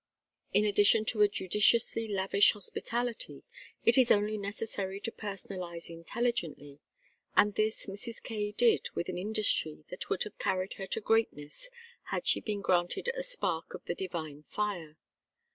In addition to a judiciously lavish hospitality, it is only necessary to personalize intelligently, and this Mrs. Kaye did with an industry that would have carried her to greatness had she been granted a spark of the divine fire.